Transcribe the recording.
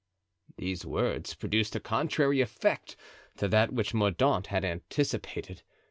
These words produced a contrary effect to that which Mordaunt had anticipated.